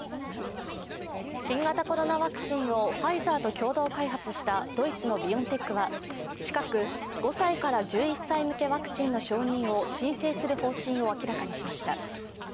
新型コロナワクチンをファイザーと共同開発したドイツのビオンテックは近く５歳から１１歳向けワクチンの承認を申請する方針を明らかにしました。